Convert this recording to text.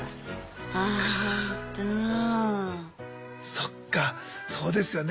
そっかそうですよね。